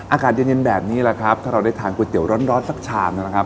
อากาศเย็นแบบนี้แหละครับถ้าเราได้ทานก๋วยเตี๋ยวร้อนสักชามนะครับ